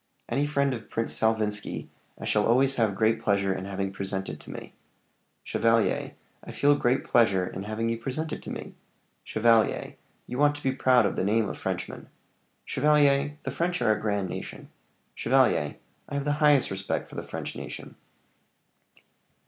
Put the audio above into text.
"Any friend of Prince Salvinski I shall always have great pleasure in having presented to me. Chevalier, I feel great pleasure in having you presented to me! Chevalier, you ought to be proud of the name of Frenchman. Chevalier, the French are a grand nation. Chevalier, I have the highest respect for the French nation."